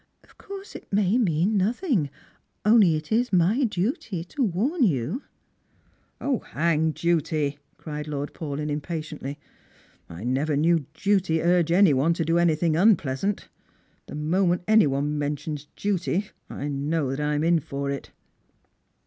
Of course it may mean nothing, only it is my duty to warn you." " O, hang duty !" cried Lord Paulyn impatiently. " I never knew duty urge any one to do anything pleasant. The moment any one mentions duty, I know that I'm in for it."